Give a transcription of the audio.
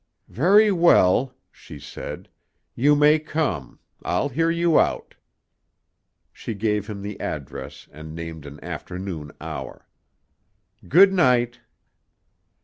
"Very well," she said, "you may come. I'll hear you out." She gave him the address and named an afternoon hour. "Good night."